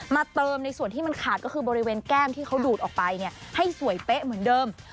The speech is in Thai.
เติมในส่วนที่มันขาดก็คือบริเวณแก้มที่เขาดูดออกไปให้สวยเป๊ะเหมือนเดิม